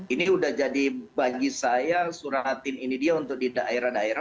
ini udah jadi bagi saya suratin ini dia untuk di daerah daerah